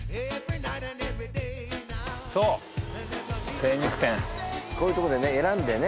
精肉店こういうとこでね選んでね